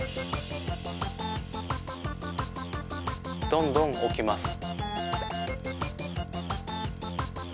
どんどんおきます。